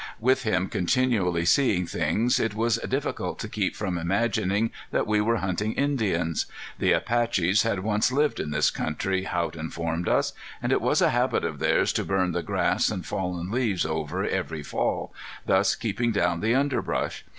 With him continually seeing things it was difficult to keep from imagining that we were hunting Indians. The Apaches had once lived in this country Haught informed us; and it was a habit of theirs to burn the grass and fallen leaves over every fall, thus keeping down the underbrush.